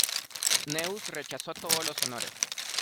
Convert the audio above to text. Neus rechazó todos los honores.